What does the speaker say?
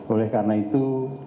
oleh karena itu